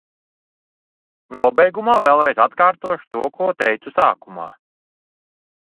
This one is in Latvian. Nobeigumā vēlreiz atkārtošu to, ko teicu sākumā.